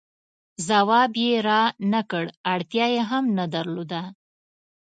ځواب یې را نه کړ، اړتیا یې هم نه درلوده.